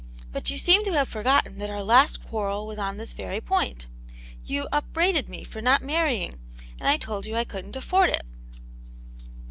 But you seem to have forgotten that our last quarrel was on this very point. You upbraided me for not marrying, and I told you I couldn't afford it."